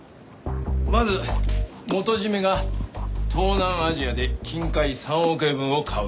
まず元締が東南アジアで金塊３億円分を買う。